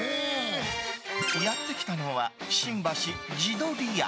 やってきたのは新橋地鶏屋。